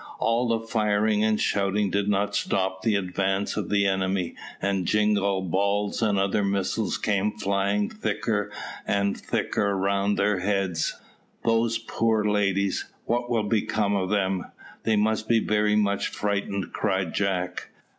All the firing and shouting did not stop the advance of the enemy, and jingall balls and other missiles came flying thicker and thicker round their heads. "Those poor ladies! What will become of them? They must be very much frightened," cried Jack.